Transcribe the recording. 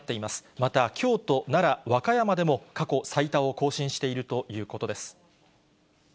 また京都、奈良、和歌山でも、過去最多を更新しているということです。